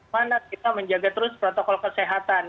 mana kita menjaga terus protokol kesehatan